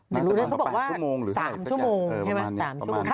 เขาบอกว่า๓ชั่วโมงใช่ไหม